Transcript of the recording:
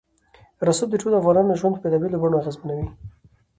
رسوب د ټولو افغانانو ژوند په بېلابېلو بڼو اغېزمنوي.